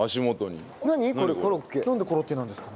なんでコロッケなんですかね？